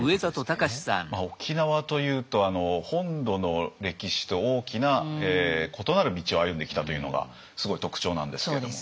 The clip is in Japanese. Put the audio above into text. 沖縄というと本土の歴史と大きな異なる道を歩んできたというのがすごい特徴なんですけれども。